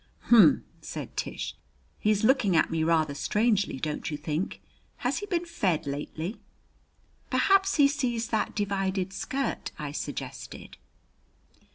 "Humph!" said Tish. "He's looking at me rather strangely, don't you think? Has he been fed lately?" "Perhaps he sees that divided skirt," I suggested.